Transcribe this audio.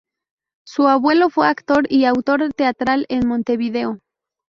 Su abuelo fue actor y autor teatral en Montevideo.